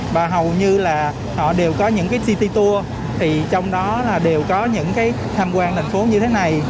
và hầu như là họ đều có những cái city tour thì trong đó đều có những cái tham quan thành phố như thế này